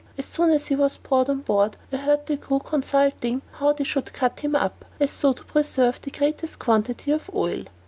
As soon as he was brought on board I heard the crew consulting how they should cut him up, so as to preserve the greatest quantity of oil.